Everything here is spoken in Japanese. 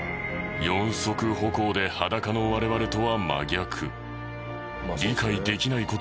四足歩行で裸の我々とは真逆。